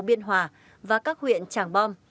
biên hòa và các huyện tràng bom